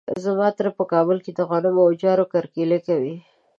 زما تره په کلي کې د غنمو او جوارو کرکیله کوي.